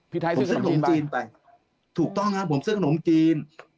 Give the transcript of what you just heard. ไทยซื้อขนมจีนไปถูกต้องครับผมซื้อขนมจีน